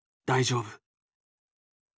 大丈夫。